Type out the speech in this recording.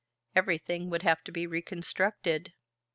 Everything would have to be reconstructed.